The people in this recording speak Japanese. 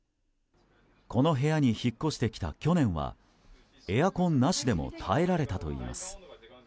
この部屋に引っ越してきた去年はエアコンなしでも耐えられたといいます。